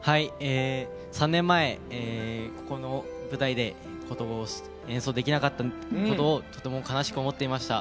３年前、ここの舞台で琴を演奏できなかったことをとても悲しく思っていました。